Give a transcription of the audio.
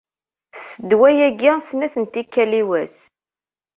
Tess ddwa-agi snat n tikkal i wass.